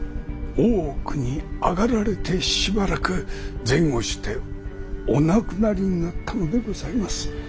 大奥に上がられてしばらく前後してお亡くなりになったのでございます。